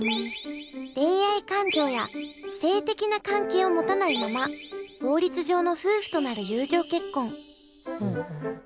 恋愛感情や性的な関係を持たないまま法律上の夫婦となる友情結婚。